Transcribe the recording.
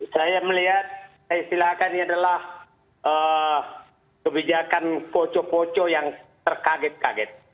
saya melihat saya istilahkan ini adalah kebijakan poco poco yang terkaget kaget